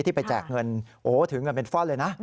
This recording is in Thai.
ที่ไปแจกเงินโอ้โหถือเงินเป็นฟ่อนเลยนะ